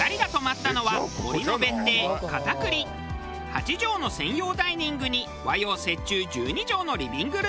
８畳の専用ダイニングに和洋折衷１２畳のリビングルーム。